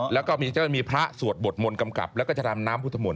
แล้วก็มีพระสวดบทมนต์กำกับแล้วก็จะดำน้ำพุทธมนต